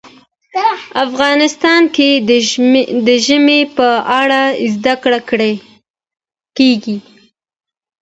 افغانستان کې د ژمی په اړه زده کړه کېږي.